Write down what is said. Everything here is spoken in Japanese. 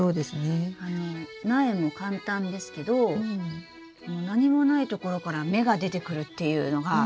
あの苗も簡単ですけど何もないところから芽が出てくるっていうのが。